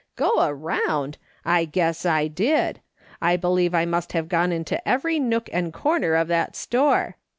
" Go around ! I guess I did. I believe I must have gone into every nook and corner of that store.